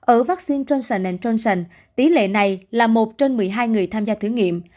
ở vaccine johnson johnson tỷ lệ này là một trên một mươi hai người tham gia thử nghiệm